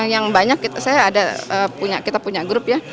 yang banyak kita punya grup ya